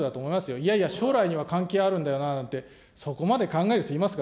いやいや、将来には関係あるんだよななんて、そこまで考える人いますか。